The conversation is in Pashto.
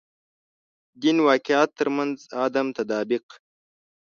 دین واقعیت تر منځ عدم تطابق.